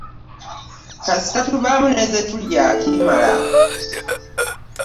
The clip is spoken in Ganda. Kasita tubaamu ne ze tulya kimala.